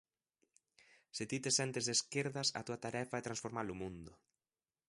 Se ti te sentes de esquerdas a túa tarefa é transformar o mundo.